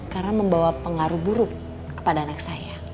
karena membawa pengaruh buruk kepada anak saya